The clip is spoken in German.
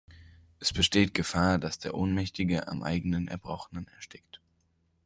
Es besteht Gefahr, dass der Ohnmächtige am eigenen Erbrochenen erstickt.